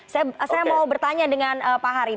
saya mau bertanya dengan pak hari